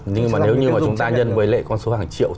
nhưng mà nếu như mà chúng ta nhân với lệ con số hàng triệu